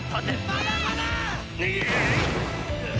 まだまだ！